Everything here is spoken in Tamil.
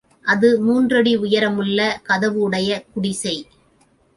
அது மூன்றடி உயர முள்ள கதவுடைய குடிசை.